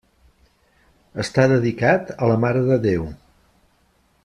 Està dedicat a la Mare de Déu.